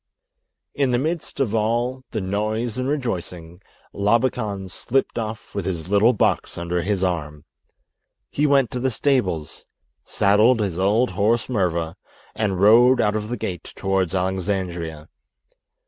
In the midst of all the noise and rejoicing Labakan slipped off with his little box under his arm. He went to the stables, saddled his old horse, Murva, and rode out of the gate towards Alexandria.